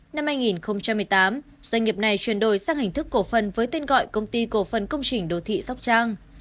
năm hai nghìn một mươi tám doanh nghiệp này chuyển đổi sang hình thức cổ phần với tên gọi công ty cổ phần công trình đô thị sóc trang